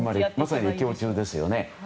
まさに歴訪中ですよね。